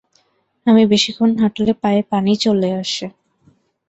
আমি বেশিক্ষণ হাঁটলে পায়ে পানি চলে আসে।